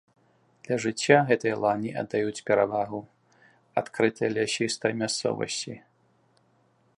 Для жыцця гэтыя лані аддаюць перавагу адкрытай лясістай мясцовасці.